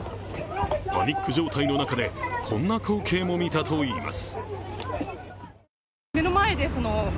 パニック状態の中でこんな光景も見たといいます。